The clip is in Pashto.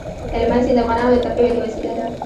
هلمند سیند د افغانانو د تفریح یوه وسیله ده.